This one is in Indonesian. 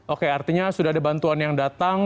oke artinya sudah ada bantuan yang datang